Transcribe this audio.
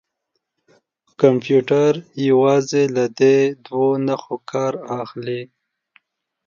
کمپیوټر یوازې له دې دوو نښو کار اخلي.